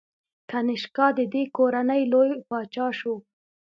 کنیشکا د دې کورنۍ لوی پاچا شو